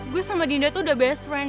gue sama dinda tuh udah best friend